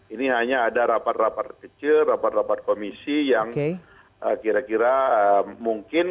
ini hanya ada rapat rapat kecil rapat rapat komisi yang kira kira mungkin